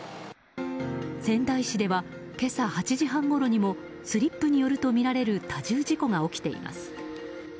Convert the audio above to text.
仙台市では今朝８時半ごろにもスリップによるとみられる多重事故が起きています。